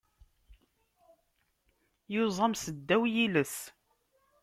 Yuẓam seddaw yiles.